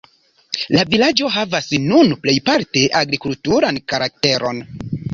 La vilaĝo havas nun plejparte agrikulturan karakteron.